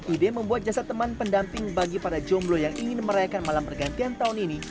ide membuat jasa teman pendamping bagi para jomblo yang ingin merayakan malam pergantian tahun ini